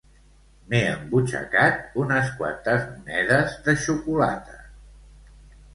M'he embutxacat unes quantes monedes de xocolata